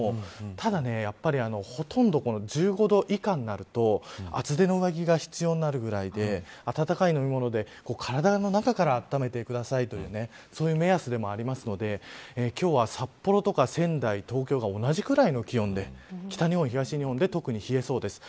ただやっぱりほとんど１５度以下になると厚手の上着が必要になるくらいで温かい飲み物で体の中から温めてくださいというそういう目安でもありますので今日は札幌とか仙台、東京が同じぐらいの気温で北日本、東日本で特に冷えそうです。